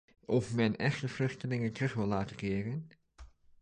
Of men echt de vluchtelingen terug wil laten keren.